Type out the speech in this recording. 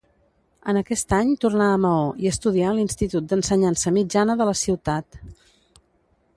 En aquest any tornà a Maó i estudià a l'Institut d'Ensenyança Mitjana de la ciutat.